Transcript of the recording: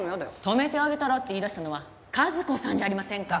泊めてあげたらって言い出したのは数子さんじゃありませんか。